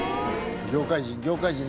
業界人業界人。